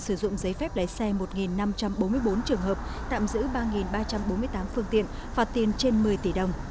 sử dụng giấy phép lấy xe một năm trăm bốn mươi bốn trường hợp tạm giữ ba ba trăm bốn mươi tám phương tiện phạt tiền trên một mươi tỷ đồng